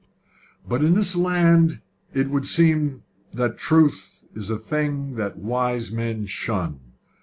"But in this land it would seem that truth is a thing that wise men shun.